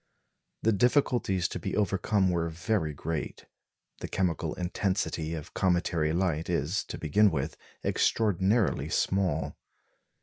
The difficulties to be overcome were very great. The chemical intensity of cometary light is, to begin with, extraordinarily small.